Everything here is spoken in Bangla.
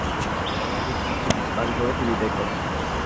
বাকি সবাই টিভি দেখো।